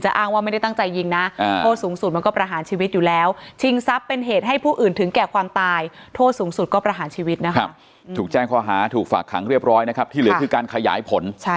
ก็ต้องขอบคุณทั้งผู้สื่อข่าวที่ทำให้คนทั้งโซเชียลรู้จักโรงเรียนสิ่งบุรีครับ